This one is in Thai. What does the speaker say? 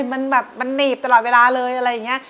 มันแบบมันหนีบตลอดเวลาเลยอะไรอย่างนี้